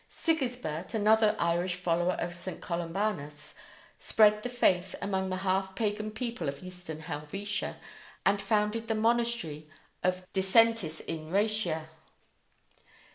Sigisbert, another Irish follower of St. Columbanus, spread the faith among the half pagan people of eastern Helvetia, and founded the monastery of Dissentis in Rhaetia.